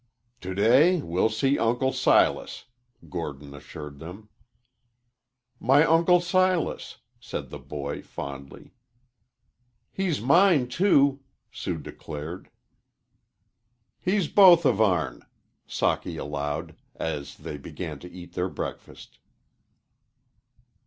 "To day we'll see Uncle Silas," Gordon assured them. "My Uncle Silas!" said the boy, fondly. "He's mine, too," Sue declared. "He's both of our'n," Socky allowed, as they began to eat their breakfast.